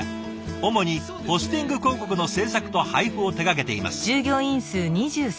主にポスティング広告の制作と配布を手がけています。